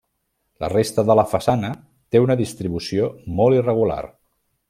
La resta de la façana té una distribució molt irregular.